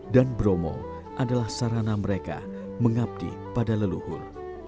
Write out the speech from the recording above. dan bromo adalah sarana mereka mengabdi pada leluhur